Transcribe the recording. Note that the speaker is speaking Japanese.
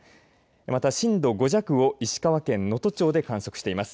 また震度５弱を石川県能登町で観測しています。